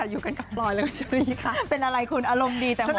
อยู่กันกับปลอยแล้วกับชิริค่ะเป็นอะไรคุณอารมณ์ดีแต่หมดวัน